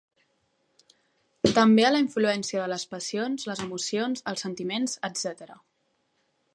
També a la influència de les passions, les emocions, els sentiments, etcètera.